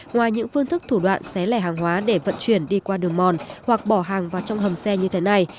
ngoài những phương thức thủ đoạn xé lẻ hàng hóa để vận chuyển đi qua đường mòn hoặc bỏ hàng vào trong hầm xe như thế này